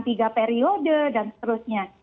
tiga periode dan seterusnya